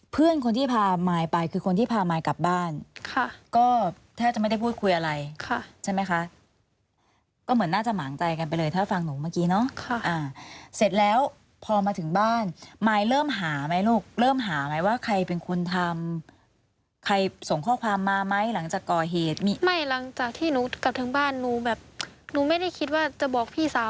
เพื่อนคนที่พามายไปคือคนที่พามายกลับบ้านค่ะก็แทบจะไม่ได้พูดคุยอะไรค่ะใช่ไหมคะก็เหมือนน่าจะหมางใจกันไปเลยถ้าฟังหนูเมื่อกี้เนาะเสร็จแล้วพอมาถึงบ้านมายเริ่มหาไหมลูกเริ่มหาไหมว่าใครเป็นคนทำใครส่งข้อความมาไหมหลังจากก่อเหตุมีไม่หลังจากที่หนูกลับทั้งบ้านหนูแบบหนูไม่ได้คิดว่าจะบอกพี่สาว